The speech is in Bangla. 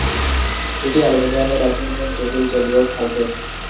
এটি অ্যালুমিনিয়ামের এক ধরনের জটিল জলীয় সালফেট।